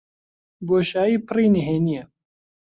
بۆشایی پڕی نهێنییە.